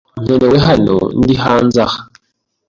Nkenewe hano. Ndi hanze aha.